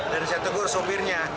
dan saya tegur sopirnya